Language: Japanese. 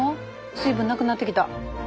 水分なくなってきた。